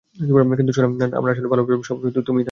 কিন্তু সোনা, আমার আসল ভালোবাসা সবসময় তুমিই ছিলে, তুমিই থাকবে!